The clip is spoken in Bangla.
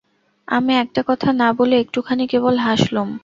আমি একটা কথা না বলে একটুখানি কেবল হাসলুম।